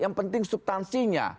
yang penting subtansinya